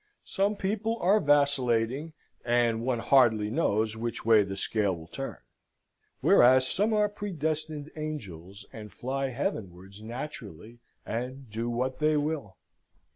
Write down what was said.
Some people are vacillating, and one hardly knows which way the scale will turn. Whereas some are predestined angels, and fly Heavenwards naturally, and do what they will."